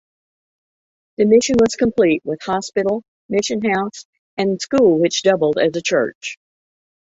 The mission was complete with hospital, mission house and school which doubled as church.